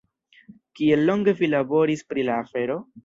Kiel longe vi laboris pri la afero?